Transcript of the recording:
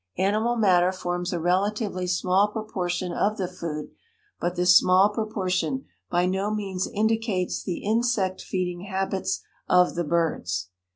Animal matter forms a relatively small proportion of the food, but this small proportion by no means indicates the insect feeding habits of the birds.